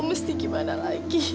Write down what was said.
sampai jumpa lagi